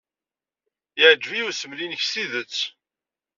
Yeɛjeb-iyi usmel-nnek s tidet.